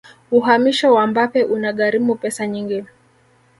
uhamisho wa mbappe una gharimu pesa nyingi